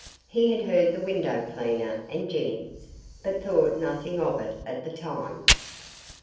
He had heard the window cleaner and Jennings, but thought nothing of it at the time.